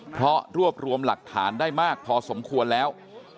เพราะรวบรวมหลักฐานได้มากพอสมควรแล้ว